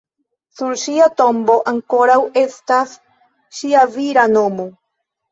Sur ŝia tombo ankoraŭ estas ŝia vira nomo.